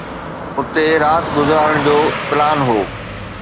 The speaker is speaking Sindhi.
اتي رات گذارڻ جو پلان هو.